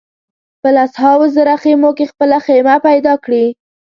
په لسهاوو زره خېمو کې خپله خېمه پیدا کړي.